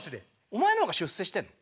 お前の方が出世してんの？